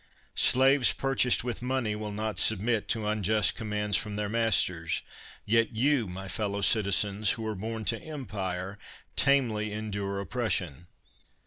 Slaves, purchased with money, will not submit to unjust commands from their masters ; yet you, my fellow citizens, who are born to empire, tamely endure oppres sion.